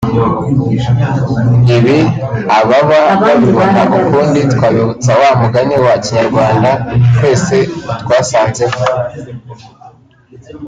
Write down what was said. Ibi ababa babibona ukundi twabibutsa wa mugani wa kinyarwanda twese twasanzeho